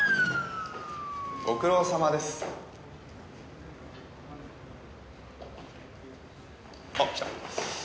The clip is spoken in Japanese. ご苦労さまです。あっ来た。